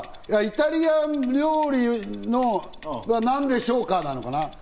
イタリアン料理は何でしょうか、だろうな。